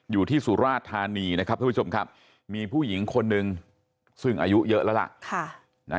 สุราชธานีนะครับทุกผู้ชมครับมีผู้หญิงคนหนึ่งซึ่งอายุเยอะแล้วล่ะ